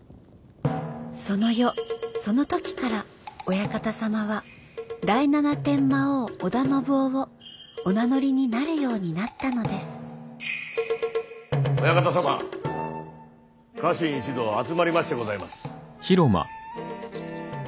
その夜その時からオヤカタ様は第七天魔王小田信夫をお名乗りになるようになったのですオヤカタ様家臣一同集まりましてございます。